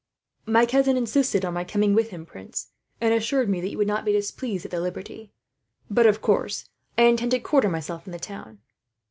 "My cousin insisted on my coming with him, prince, and assured me that you would not be displeased at the liberty. But of course, I intend to quarter myself in the town."